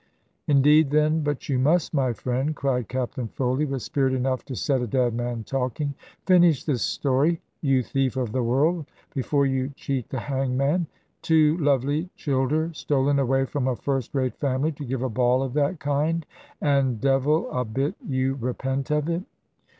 "Indeed then, but you must, my friend," cried Captain Foley, with spirit enough to set a dead man talking; "finish this story, you thief of the world, before you cheat the hangman. Two lovely childer stolen away from a first rate family to give a ball of that kind and devil a bit you repent of it!"